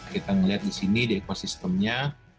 kita melihat di sini di ekosistemnya